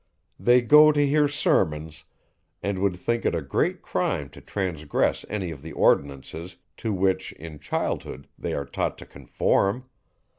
They go to hear sermons, and would think it a great crime to transgress any of the ordinances, to which, in childhood, they are taught to conform.